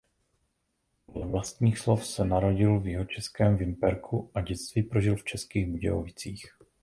Podle vlastních slov se narodil v jihočeském Vimperku a dětství prožil v Českých Budějovicích.